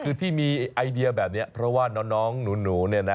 คือที่มีไอเดียแบบนี้เพราะว่าน้องหนูเนี่ยนะ